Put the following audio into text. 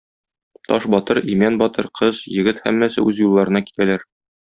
Таш батыр, Имән батыр, кыз, егет - һәммәсе үз юлларына китәләр.